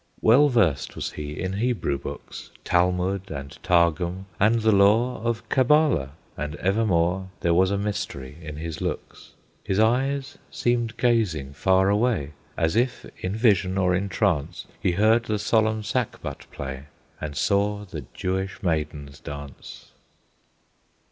Well versed was he in Hebrew books, Talmud and Targum, and the lore Of Kabala; and evermore There was a mystery in his looks; His eyes seemed gazing far away, As if in vision or in trance He heard the solemn sackbut play, And saw the Jewish maidens dance.